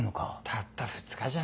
たった２日じゃん。